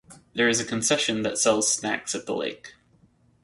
There is a concession that sells snacks at the lake.